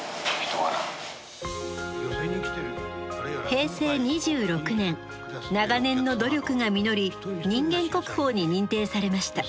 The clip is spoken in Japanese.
平成２６年長年の努力が実り人間国宝に認定されました。